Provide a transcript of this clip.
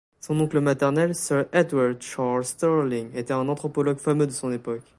Son oncle maternel, Sir Edward Charles Stirling était un anthropologue fameux de son époque.